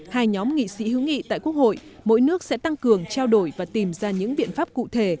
hai nhóm nghị sĩ hữu nghị tại quốc hội mỗi nước sẽ tăng cường trao đổi và tìm ra những biện pháp cụ thể